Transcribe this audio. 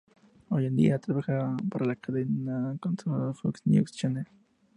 Hoy en día, trabaja para la cadena conservadora Fox News Channel.